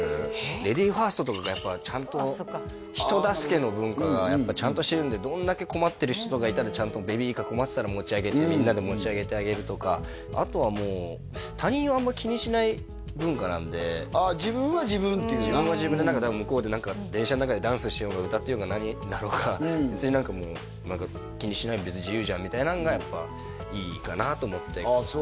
レディーファーストとかがやっぱちゃんと人助けの文化がやっぱちゃんとしてるんでどんだけ困ってる人とかいたらちゃんとベビーカー困ってたらみんなで持ち上げてあげるとかあとはもうああ自分は自分っていうな自分は自分で向こうで電車の中でダンスしようが歌ってようが別に何かもう気にしない別に自由じゃんみたいなのがやっぱいいかなと思ってああ